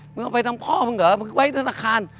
เอาไปทั้งพ่อมึงเหรอมึงไว้ธนาคาร